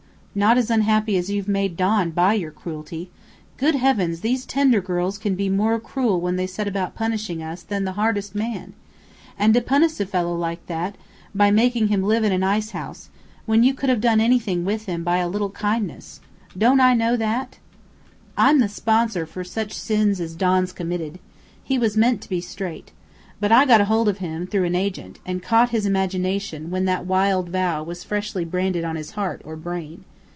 "Not as unhappy as you've made Don by your cruelty. Good heavens, these tender girls can be more cruel when they set about punishing us, than the hardest man! And to punish a fellow like that by making him live in an ice house, when you could have done anything with him by a little kindness! Don't I know that? "I'm the sponsor for such sins as Don's committed. He was meant to be straight. But I got hold of him through an agent, and caught his imagination when that wild vow was freshly branded on his heart or brain.